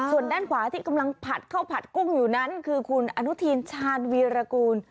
ส่วนด้านขวาที่กำลังผัดข้าวผัดกุ้งอยู่นั้นคือคุณอนุทินชาญวีรกูล